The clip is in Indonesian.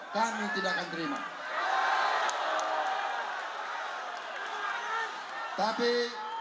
kami tidak akan terima